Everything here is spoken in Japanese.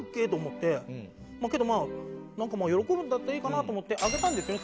けどまあ喜ぶんだったらいいかなと思ってあげたんですよね